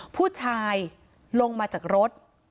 ผู้ชายลงมาจากรถ